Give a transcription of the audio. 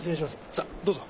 さあどうぞ。